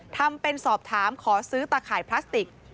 ทำเป็นสอบถามขอซื้อตาข่ายพลาสติก